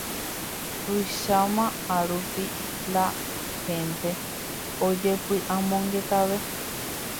tuicháma árupi la hente ojepy'amongetave